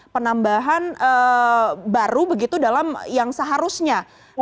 penambahan baru begitu dalam yang seharusnya